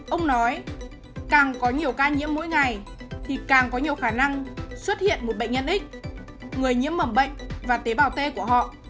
ông nói càng có nhiều ca nhiễm mỗi ngày thì càng có nhiều khả năng xuất hiện một bệnh nhân x người nhiễm mầm bệnh và tế bào t của họ